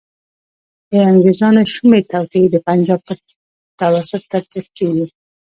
د انګریزانو شومي توطیې د پنجاب په توسط تطبیق کیږي.